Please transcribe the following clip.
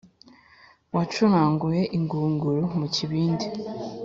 wacuranguye ingunguru mukibindi